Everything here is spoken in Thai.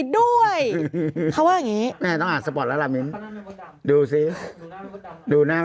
ดูน่าซูม